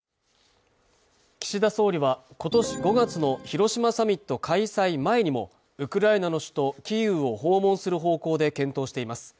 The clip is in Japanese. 岸田総理は、今年５月の広島サミット開催前にも、ウクライナの首都キーウを訪問する方向で検討しています。